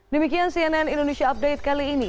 demikian cnn indonesia update kali ini